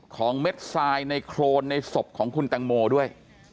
เม็ดทรายในโครนในศพของคุณแตงโมด้วย